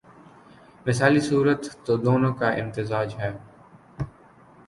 مثالی صورت تو دونوں کا امتزاج ہے۔